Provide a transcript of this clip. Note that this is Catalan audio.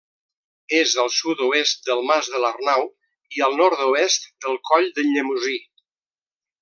És al sud-oest del Mas de l'Arnau i al nord-oest del Coll d'en Llemosí.